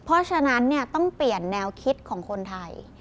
เพราะฉะนั้นต้องเปลี่ยนแนวคิดของคนไทย